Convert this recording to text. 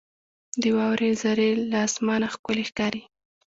• د واورې ذرې له اسمانه ښکلي ښکاري.